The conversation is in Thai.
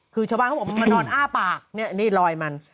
คือชาวบ้านเขาบอกมานอนอ้าปากเนี่ยนี่ลอยมัน